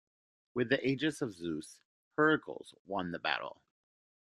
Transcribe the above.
With the aegis of Zeus, Heracles won the battle.